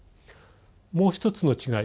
もう一つの違い